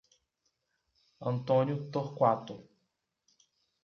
Antônio Torquato